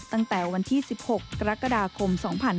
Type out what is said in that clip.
ตั้งแต่วันที่๑๖กรกฎาคม๒๕๕๙